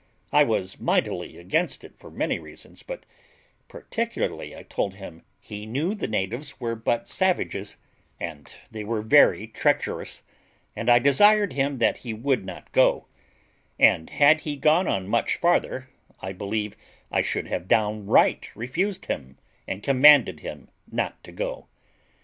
I was mightily against it for many reasons; but particularly I told him he knew the natives were but savages, and they were very treacherous, and I desired him that he would not go; and, had he gone on much farther, I believe I should have downright refused him, and commanded him not to go.